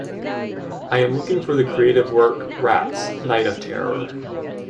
I am looking for the creative work Rats: Night of Terror